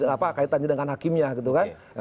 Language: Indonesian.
apa kaitannya dengan hakimnya gitu kan